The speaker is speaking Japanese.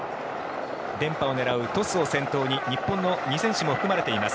連覇を狙うトスを先頭に日本の２選手も含まれています。